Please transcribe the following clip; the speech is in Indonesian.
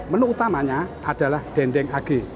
menu utamanya adalah dendeng ag